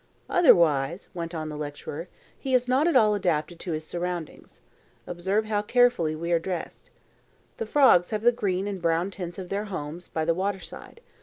"Otherwise," went on the lecturer, "he is not at all adapted to his surroundings. Observe how carefully we are dressed. The frogs have the green and brown tints of their homes by the water side.